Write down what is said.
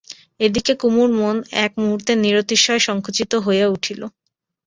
এ দিকে কুমুর মন এক মুহূর্তে নিরতিশয় সংকুচিত হয়ে উঠল।